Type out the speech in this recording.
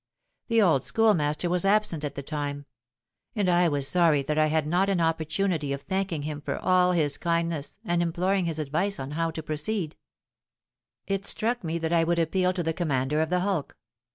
The old schoolmaster was absent at the time; and I was sorry that I had not an opportunity of thanking him for all his kindness and imploring his advice how to proceed. It struck me that I would appeal to the commander of the hulk.